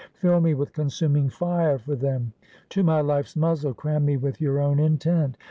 Fill me with consuming fire for them; to my life's muzzle, cram me with your own intent.